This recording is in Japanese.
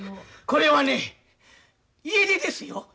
これはね家出ですよ。